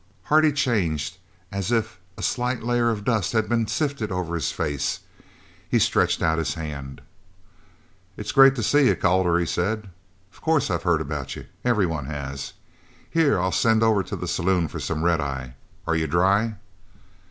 Hardy changed as if a slight layer of dust had been sifted over his face. He stretched out his hand. "It's great to see you, Calder," he said, "of course I've heard about you. Everyone has. Here! I'll send over to the saloon for some red eye. Are you dry?"